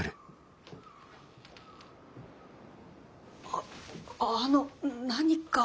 あっあの何か？